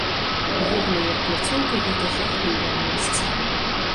Увогуле як пляцоўка гэта жахлівае месца!